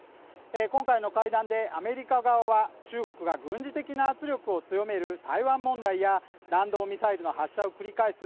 今回の会談でアメリカ側は中国が軍事的な圧力を強める台湾問題や弾道ミサイルの発射を繰り返す